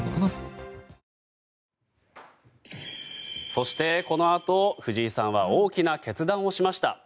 そしてこのあと藤井さんは大きな決断をしました。